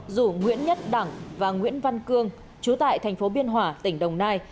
dù nguyễn nhất đẳng và nguyễn văn cương chú tại tp biên hòa tỉnh đồng nai